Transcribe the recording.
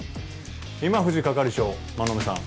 今藤係長馬目さん